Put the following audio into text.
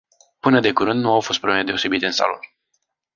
Până de curând nu au fost probleme deosebite în salon.